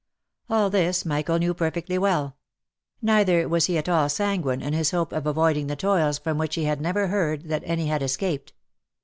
All this Michael knew perfectly well ; neither was he at all sanguine in his hope of avoiding the toils from which he had never heard that any had escaped.